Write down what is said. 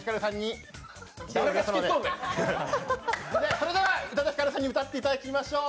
それでは宇多田ヒカルさんに歌っていただきましょう。